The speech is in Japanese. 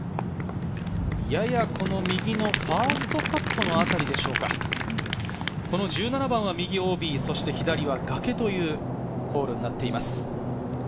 やや右のファーストカットのあたりでしょうか、この１７番は右ＯＢ、そして左は崖というホールになっています。